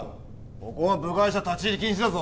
ここは部外者立ち入り禁止だぞ